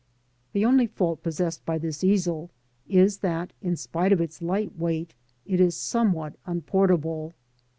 The only fault possessed by this easel is that, in spite of its light weight, it is somewhat unport able.